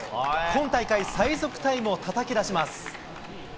今大会、最速タイムをたたき出します。